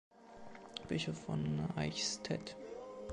Bischof von Eichstätt.